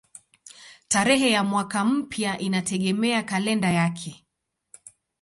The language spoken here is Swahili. Tarehe ya mwaka mpya inategemea kalenda yake.